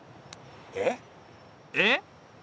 えっ？えっ？